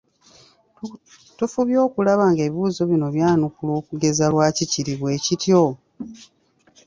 Tufubye okulaba ng'ebibuuzo bino byanukulwa okugeza lwaki kiri bwekityo?